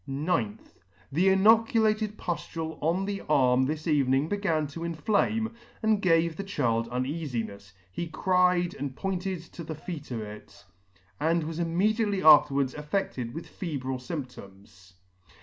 gth. The inoculated puflule on the arm this evening began to inflame, and gave the child uneafinefs : he cried, and pointed to [ I 3 1 3 to the feat of it, and was immediately afterwards affeded with febrile fymptoms.